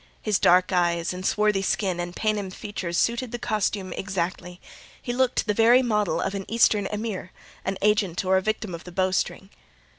His dark eyes and swarthy skin and Paynim features suited the costume exactly: he looked the very model of an Eastern emir, an agent or a victim of the bowstring.